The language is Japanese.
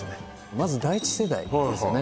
まず第１世代ですよね